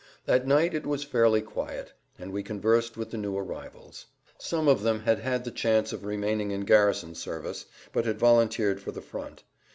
At night it was fairly quiet, and we conversed with the new arrivals. Some of them had had the chance of remaining in garrison service, but had volunteered for the front.